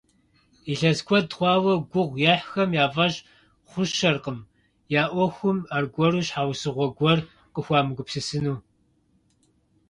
Илъэс куэд хъуауэ гугъу ехьхэм я фӀэщ хъущэркъым а Ӏуэхум аргуэру щхьэусыгъуэ гуэр къыхуамыгупсысыну.